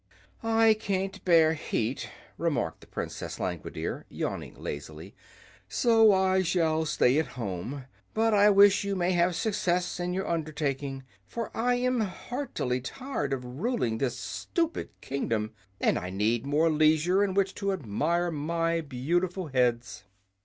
"I can't bear heat," remarked the Princess Langwidere, yawning lazily, "so I shall stay at home. But I wish you may have success in your undertaking, for I am heartily tired of ruling this stupid kingdom, and I need more leisure in which to admire my beautiful heads."